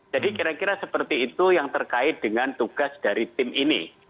jadi kira kira seperti itu yang terkait dengan tugas dari tim ini